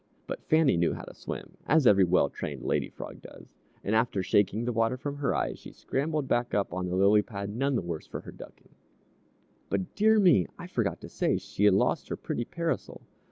But Fannie knew how to swim, as every well trained Lady Frog does, and after shaking the water from her eyes, she scrambled back upon the lily pad, none the worse for her ducking. But, dear me, I forgot to say she had lost her pretty parasol!